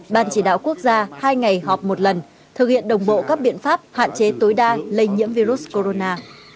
ban chỉ đạo quốc gia hai ngày họp một lần thực hiện đồng bộ các biện pháp hạn chế tối đa lây nhiễm virus corona